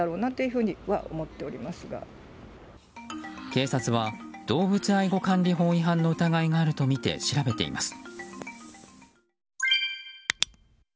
警察は、動物愛護管理法違反の疑いがあるとみて調べています。